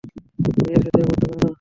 নিজের সাথে এমনটা কোরো না।